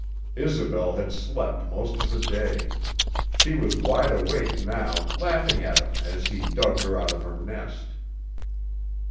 Isobel had slept most of the day. She was wide awake now, laughing at him as he dug her out of her nest.